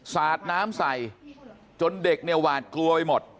สาดน้ำใส่จนเด็กเนี่ยหวาดกลัวไปหมด